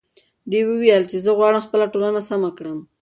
دې وویل چې زه غواړم خپله ټولنه سمه کړم.